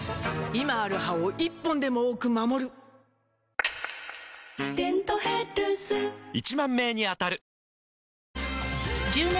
今ある歯を１本でも多く守る「デントヘルス」１０，０００名に当たる！